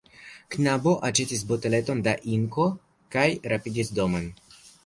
Knabo aĉetis boteleton da inko kaj rapidis domen.